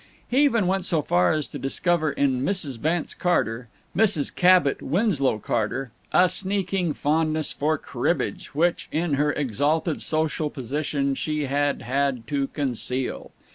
He even went so far as to discover in Mrs. Vance Carter, Mrs. Cabot Winslow Carter, a sneaking fondness for cribbage, which, in her exalted social position, she had had to conceal.